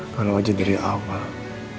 kalau aja dari awal